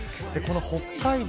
北海道